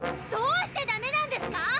どうしてダメなんですか